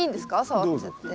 触っちゃって。